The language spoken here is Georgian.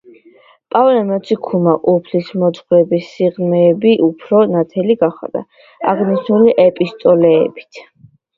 პავლე მოციქულმა უფლის მოძღვრების სიღრმეები უფრო ნათელი გახადა, აღნიშნული ეპისტოლეებით.